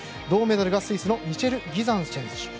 銅メダルがスイスのミシェル・ギザン選手。